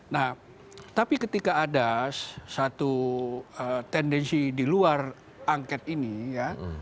nah tapi ketika ada satu tendensi di luar angket ini ya